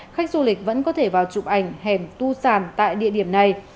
khách du lịch vẫn có thể vào chụp ảnh hẻm tu sàn tại địa điểm này